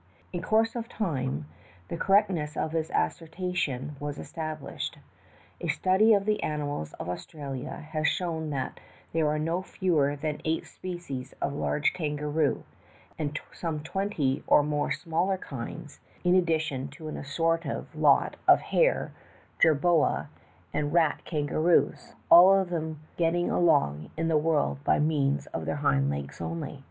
In course of time, the correctness of his assertion was established. A study of the animals of Australia has shown that there are no fewer than eight S'pecies of large kan garoo, and some twenty and more smaller kinds, in addition to an assorted lot of hare, jerboa 235 236 THE TAEKING HANDKERCHIEF and rat kangaroos, all of them getting along in the world by means of their hind legs only.